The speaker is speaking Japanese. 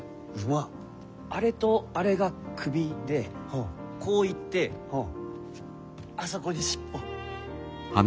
あれとあれが首でこういってあそこに尻尾。